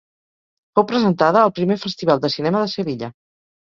Fou presentada al primer Festival de Cinema de Sevilla.